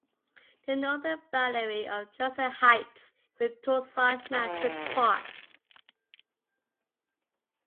The northern boundary of Drexel Heights is the Tucson Mountain Park.